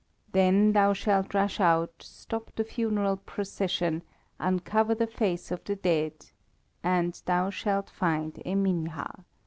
Then thou shalt rush out, stop the funeral procession, uncover the face of the dead, and thou shalt find Eminha.